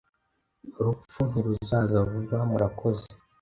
Urupfu ntiruzaza vuba, murakoze ...